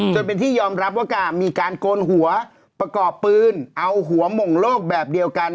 จนเป็นที่ยอมรับว่ามีการโกนหัวประกอบปืนเอาหัวหม่งโลกแบบเดียวกัน